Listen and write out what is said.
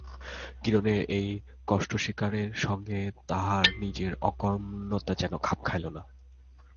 কিরণের এই কষ্টস্বীকারের সঙ্গে তাহার নিজের অকর্মণ্যতা যেন খাপ খাইল না।